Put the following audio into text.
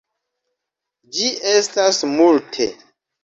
Ĝi estas multe.